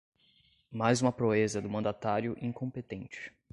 Mais uma proeza do mandatário incompetente